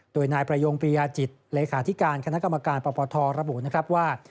โดยนายประยงปริยาจิตเลขาธิการคณะกรรมการปปทระบุนะครับว่า